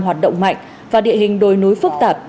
hoạt động mạnh và địa hình đồi núi phức tạp